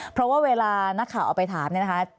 เพราะว่าเวลานักข่าวออกไปถามนะคะ